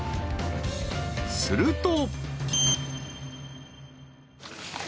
［すると］